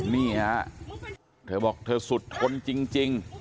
นี่ฮะเธอบอกเธอสุดทนจริง